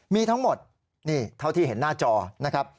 มีทั้งหมดนี่เท่าที่เห็นหน้าจอนะครับ